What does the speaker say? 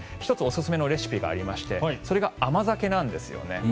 １つおすすめのレシピがありましてそれが甘酒なんですよね。